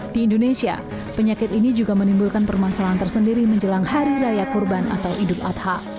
di indonesia penyakit ini juga menimbulkan permasalahan tersendiri menjelang hari raya kurban atau idul adha